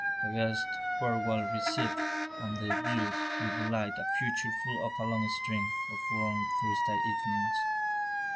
The guests were well received, and they viewed with delight a future full of a long string of warm Thursday evenings.